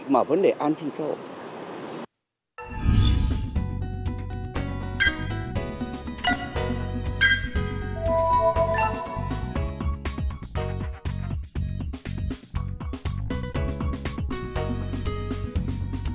mà vấn đề an sinh xã hội